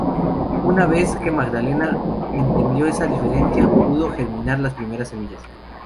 Una vez que Magdalena entendió esa diferencia, pudo germinar las primeras semillas.